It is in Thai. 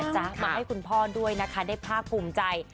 มาให้คุณพ่อด้วยนะคะได้ภาคภูมิใจ